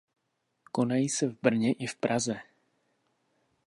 Konají se v Brně i v Praze.